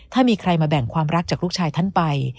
ถ้ามีใครมาแบ่งความรักจากลูกชายท่านไป